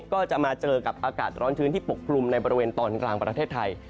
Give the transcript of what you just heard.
ก็จะมาเจอกับอากาศร้อนชื้นที่ปกคลุมในบริเวณตอนกลางประเทศไทย